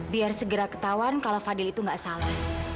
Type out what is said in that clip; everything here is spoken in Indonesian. biar segera ketahuan kalau fadhil itu gak salah